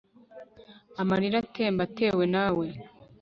Amarira atemba atewe nawe